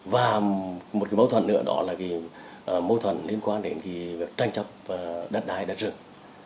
và một mâu thuẫn nữa đó là mâu thuẫn liên quan đến tranh chấp đất đai đất rừng